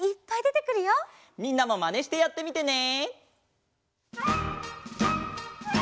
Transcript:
みんなもマネしてやってみてね！